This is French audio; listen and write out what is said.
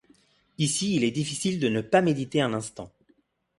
Ici il est difficile de ne pas méditer un instant.